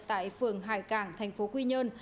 tại phường hải cảng tp quy nhơn